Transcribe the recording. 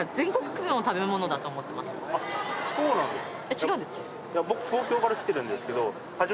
あそうなんですか。